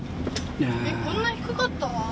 こんな低かった？